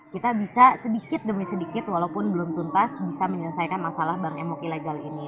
kita bisa sedikit demi sedikit walaupun belum tuntas bisa menyelesaikan masalah bank emok ilegal ini